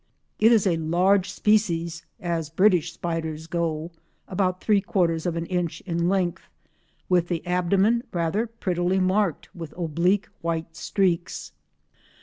It is a large species as British spiders go—about three quarters of an inch in length—with the abdomen rather prettily marked with oblique white streaks.